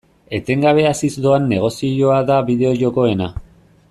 Etengabe haziz doan negozioa da bideo-jokoena.